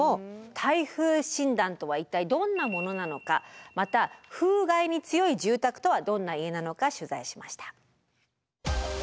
耐風診断とは一体どんなものなのかまた風害に強い住宅とはどんな家なのか取材しました。